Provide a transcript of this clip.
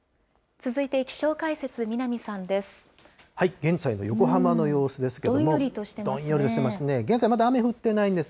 続いて気象解説、南さんです。